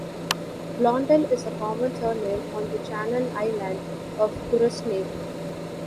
'Blondel' is a common surname on the Channel Island of Guernsey.